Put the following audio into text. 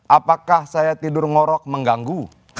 apakah saya tidur ngorok mengganggu